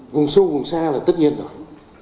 vùng sâu vùng xa là tất nhiên rồi